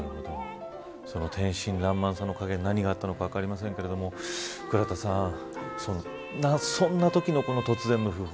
その天真爛漫さの陰に何があったのか分かりませんが倉田さんそんなときの突然の訃報